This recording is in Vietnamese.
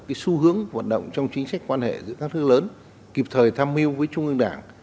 cái xu hướng hoạt động trong chính sách quan hệ giữa các thương lớn kịp thời tham mưu với trung ương đảng